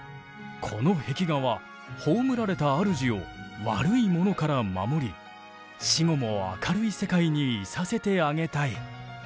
この壁画は葬られた主を悪いものから守り死後も明るい世界にいさせてあげたい。